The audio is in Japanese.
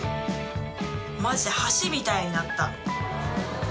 マジで橋みたいになった。